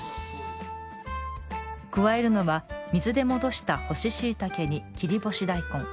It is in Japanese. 加えるのは水で戻した「干ししいたけ」に「切り干し大根」。